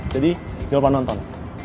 jadi jangan lupa nonton